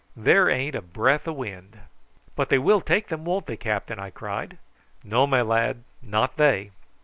There ain't a breath o' wind." "But they will take them, won't they, captain?" I cried. "No, my lad, not they.